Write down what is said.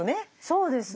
そうですね。